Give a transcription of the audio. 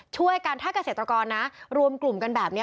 ช่วยกันถ้าเกษตรกรนะรวมกลุ่มกันแบบนี้